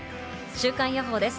週間予報です。